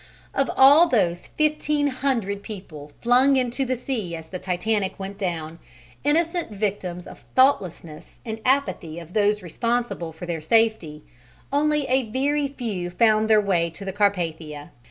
Of all those fifteen hundred people, flung into the sea as the Titanic went down, innocent victims of thoughtlessness and apathy of those responsible for their safety, only a very few found their way to the Carpathia.